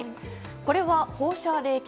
これは放射冷却。